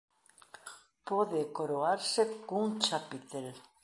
Pode coroarse cun chapitel.